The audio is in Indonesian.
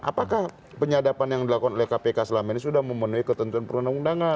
apakah penyadapan yang dilakukan oleh kpk selama ini sudah memenuhi ketentuan perundang undangan